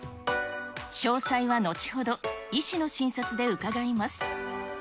詳細は後ほど、医師の診察で伺います。